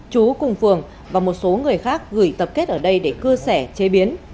chú cùng phường và một số người khác gửi tập kết ở đây để cư xẻ chế biến